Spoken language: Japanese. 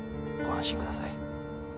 ご安心ください。